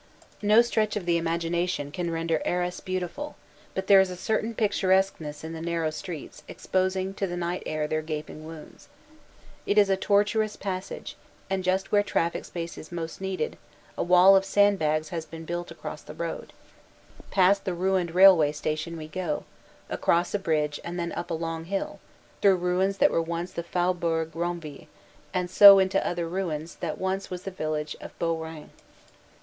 No stretch of the imagination can render Arras beautiful; but there is a certain picturesqueness in the narrow streets exposing to the night their gaping wounds. It is a tortuous passage, and just where traffic space is most needed, a wall of sand bags has been built across the street. Past the ruined rail way station we go; across a bridge and then up a long hill; through ruins that once were the Faubourg Ronville and so into other ruins that once was the village of Beaurains.